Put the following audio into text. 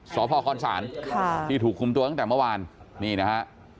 สพคศที่ถูกคุมตัวตั้งแต่เมื่อวานนี่นะฮะ